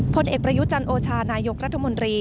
ผลเอกประยุจันโอชานายกรัฐมนตรี